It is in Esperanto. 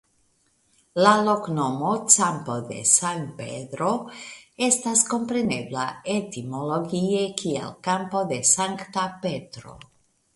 La loknomo "Campo de San Pedro" estas komprenebla etimologie kiel Kampo de Sankta Petro.